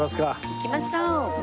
行きましょう。